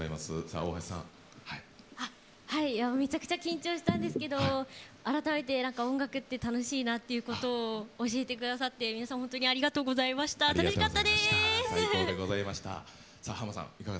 めちゃくちゃ緊張したんですけど改めて音楽って楽しいなっていうことを教えてくださって、皆さん本当にありがとうございました。